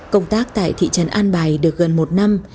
công tác tại thị trấn an bài được gần một năm